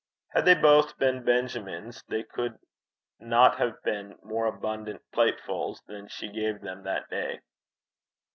Had they both been Benjamins they could not have had more abundant platefuls than she gave them that day.